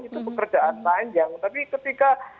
itu pekerjaan panjang tapi ketika